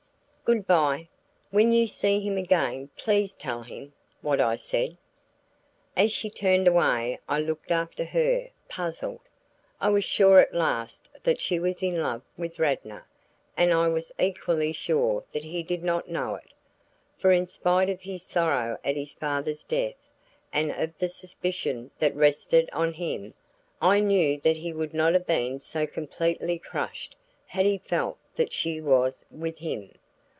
"Good by. When you see him again please tell him what I said." As she turned away I looked after her, puzzled. I was sure at last that she was in love with Radnor, and I was equally sure that he did not know it; for in spite of his sorrow at his father's death and of the suspicion that rested on him, I knew that he would not have been so completely crushed had he felt that she was with him.